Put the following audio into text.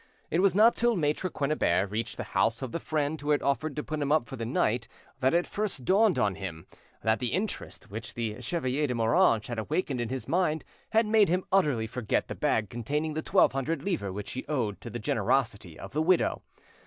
It was not till Maitre Quennebert reached the house of the friend who had offered to put him up for the night that it first dawned on him, that the interest which the Chevalier de Moranges had awakened in his mind had made him utterly forget the bag containing the twelve hundred livres which he owed to the generosity of the widow.